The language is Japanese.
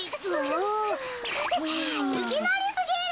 いきなりすぎる。